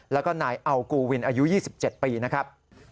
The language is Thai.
แล้วก็นายอัลกูวินอายุ๒๗ปีนะครับ